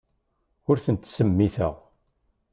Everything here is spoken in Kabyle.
Ur ten-ttsemmiteɣ.